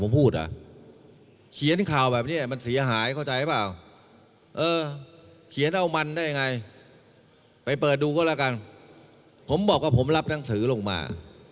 ผมบอกว่าผมรับหนังสือลงมา